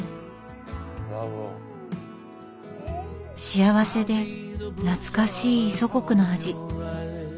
幸せで懐かしい祖国の味。